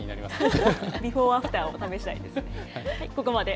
ビフォー・アフターを試したいです。